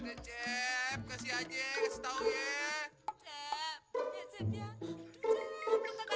udah gak percaya memaruh musrik